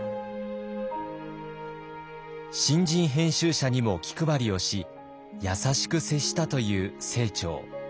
新人編集者にも気配りをし優しく接したという清張。